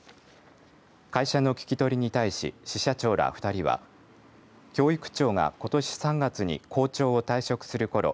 会社の聞き取りに対し支社長ら２人は教育長が、ことし３月に校長を退職するころ